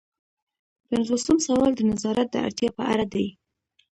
پنځوسم سوال د نظارت د اړتیا په اړه دی.